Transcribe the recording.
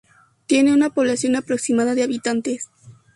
Tiene una población aproximada de habitantes.